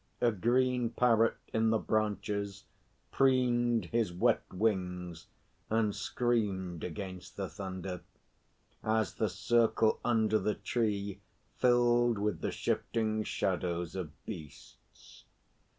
A green Parrot in the branches preened his wet wings and screamed against the thunder as the circle under the tree filled with the shifting shadows of beasts.